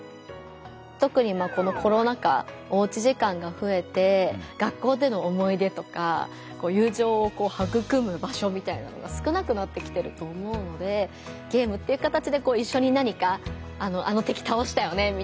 とくにこのコロナ禍おうち時間がふえて学校での思い出とか友情をはぐくむ場所みたいなのが少なくなってきてると思うのでゲームっていう形で一緒に何か「あの敵倒したよね」